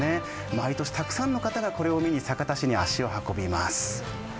毎年たくさんの方がこれを見に酒田市に足を運びます。